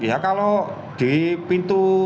ya kalau di pintu